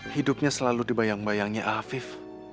hidupnya selalu dibayang bayangi afif